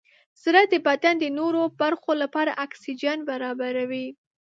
زړه د بدن د نورو برخو لپاره اکسیجن برابروي.